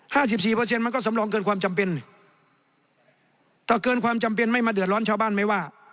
สิบสี่เปอร์เซ็นมันก็สำรองเกินความจำเป็นถ้าเกินความจำเป็นไม่มาเดือดร้อนชาวบ้านไม่ว่า